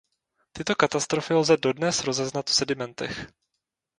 Tyto katastrofy lze dodnes rozeznat v sedimentech.